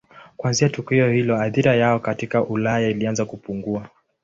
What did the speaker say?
Kuanzia tukio hilo athira yao katika Ulaya ilianza kupungua.